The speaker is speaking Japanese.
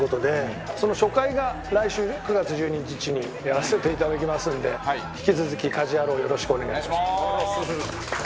その初回が来週９月１２日にやらせていただきますので引き続き『家事ヤロウ！！！』をよろしくお願いします。